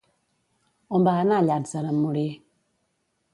On va anar Llàtzer en morir?